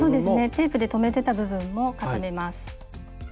テープで留めてた部分も固めます。